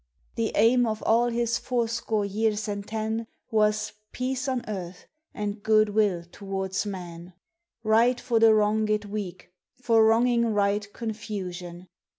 The aim of all his fourscore years and ten Was "Peace on earth and good will towards men;" Right for the wrongèd weak for wronging right Confusion.